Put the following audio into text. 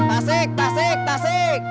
tasik tasik tasik